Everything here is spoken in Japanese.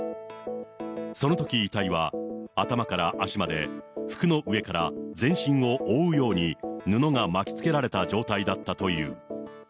そのとき、遺体は頭から足まで、服の上から全身を覆うように布が巻きつけられた状態だったという。